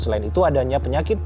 selain itu adanya penyakit